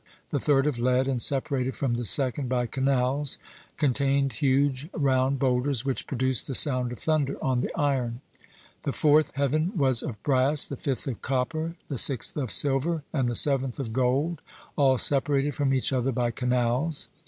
The third, of lead, and separated from the second by canals, contained huge round boulders, which produced the sound of thunder on the iron. The fourth heaven was of brass, the fifth of copper, the sixth of silver, and the seventh of gold, all separated from each other by canals.